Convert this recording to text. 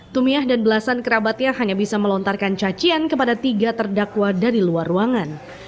tumiah dan belasan kerabatnya hanya bisa melontarkan cacian kepada tiga terdakwa dari luar ruangan